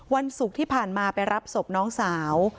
วันศุกร์ที่ผ่านมาไปรับศพน้องสาว